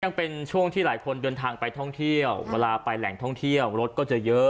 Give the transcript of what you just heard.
ยังเป็นช่วงที่หลายคนเดินทางไปท่องเที่ยวเวลาไปแหล่งท่องเที่ยวรถก็จะเยอะ